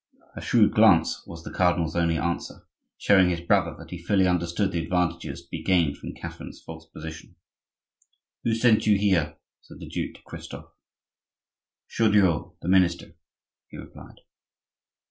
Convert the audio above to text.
A shrewd glance was the cardinal's only answer; showing his brother that he fully understood the advantages to be gained from Catherine's false position. "Who sent you here?" said the duke to Christophe. "Chaudieu, the minister," he replied.